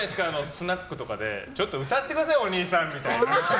スナックとかでちょっと歌ってくださいよおにいさん！みたいな。